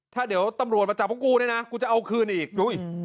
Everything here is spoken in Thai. ถ้าเดี๋ยวตำรวดมาจับพวกกูนะกูจะเอาคืนอีก